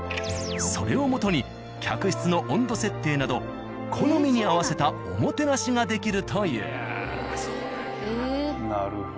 それを基に客室の温度設定など好みに合わせたおもてなしができるという。